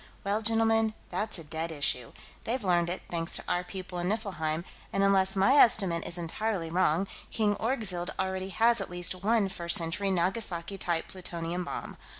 Well, gentlemen, that's a dead issue. They've learned it, thanks to our people on Niflheim, and unless my estimate is entirely wrong, King Orgzild already has at least one First Century Nagasaki type plutonium bomb.